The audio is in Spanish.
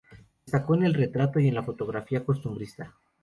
Destacó en el retrato y en la fotografía costumbrista.